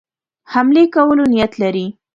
حملې کولو نیت لري.